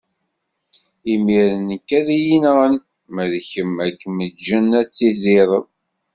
Imiren nekk ad yi-nɣen, ma d kemm ad kem-ǧǧen, ad tidireḍ.